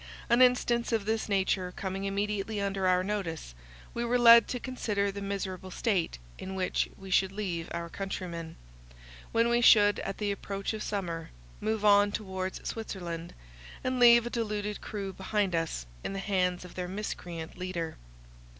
An instance of this nature coming immediately under our notice, we were led to consider the miserable state in which we should leave our countrymen, when we should, at the approach of summer, move on towards Switzerland, and leave a deluded crew behind us in the hands of their miscreant leader.